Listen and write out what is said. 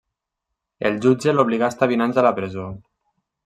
El jutge l'obligà a estar vint anys a la presó.